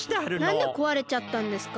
なんでこわれちゃったんですか？